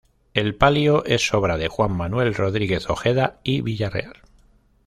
El palio es obra de Juan manuel Rodríguez Ojeda y Villarreal.